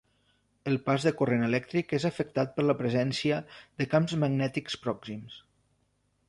El pas de corrent elèctric és afectat per la presència de camps magnètics pròxims.